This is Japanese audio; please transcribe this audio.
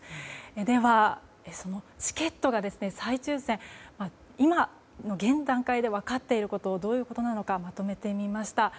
では、そのチケットの再抽選現段階で分かっていることどういうことなのかまとめてみました。